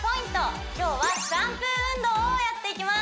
今日はシャンプー運動をやっていきます